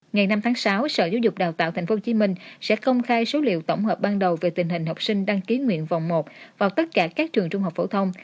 ngày năm tháng sáu sở giáo dục đào tạo tp hcm sẽ công khai số liệu tổng hợp ban đầu về tình hình học sinh đăng ký nguyện vòng một vào tất cả các trường trung học phổ thông